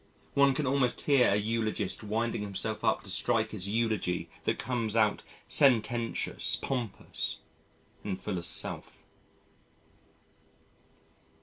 One can almost hear a eulogist winding himself up to strike his eulogy that comes out sententious, pompous, and full of self.